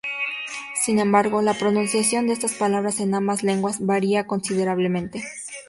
Sin embargo, la pronunciación de estas palabras en ambas lenguas varía considerablemente.